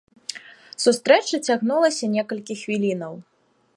Сустрэча цягнулася некалькі хвілінаў.